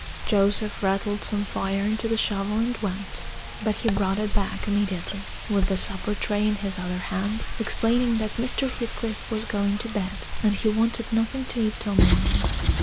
Joseph rattled some fire into the shovel and went; but he brought it back immediately, with the supper tray in his other hand, explaining that Mr. Heathcliff was going to bed, and he wanted nothing to eat till morning.